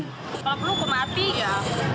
kalau perlu hukum mati ya